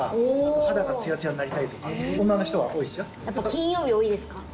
金曜日多いです。